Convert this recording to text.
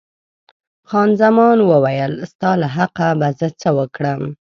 خان زمان وویل، ستا له حقه به زه څه وکړم.